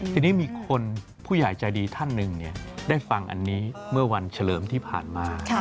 ทีนี้มีคนผู้ใหญ่ใจดีท่านหนึ่งได้ฟังอันนี้เมื่อวันเฉลิมที่ผ่านมา